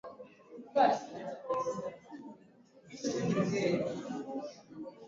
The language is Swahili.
Kuwepo kwa wanyama wanaoweza kuathirika kwa urahisi